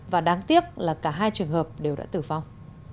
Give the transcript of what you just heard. và đáng tiếc là cả hai trường hợp đều đã tử vong